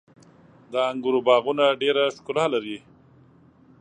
• د انګورو باغونه ډېره ښکلا لري.